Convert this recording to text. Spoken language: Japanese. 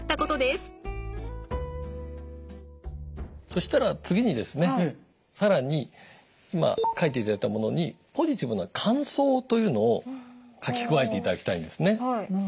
そしたら次にですね更に今書いていただいたものにポジティブな感想というのを書き加えていただきたいんですね。